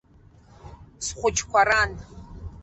Схәыҷқәа ран.